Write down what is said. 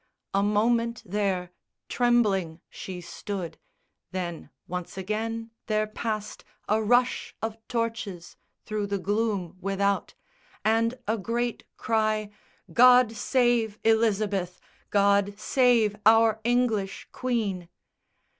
A moment there Trembling she stood. Then, once again, there passed A rush of torches through the gloom without, And a great cry "_God save Elizabeth, God save our English Queen!